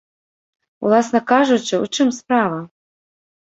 Уласна кажучы, у чым справа?